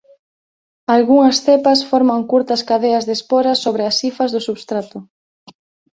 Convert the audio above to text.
Algunhas cepas forman curtas cadeas de esporas sobre as hifas do substrato.